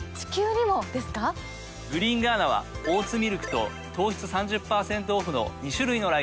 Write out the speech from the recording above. グリーンガーナはオーツミルクと糖質３０％オフの２種類のラインナップ。